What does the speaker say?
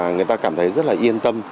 người ta cảm thấy rất là yên tâm